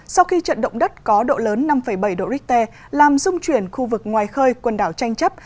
sau khi trận động đất có độ lớn năm bảy độ richter làm dung chuyển khu vực ngoài khơi quần đảo tranh chấp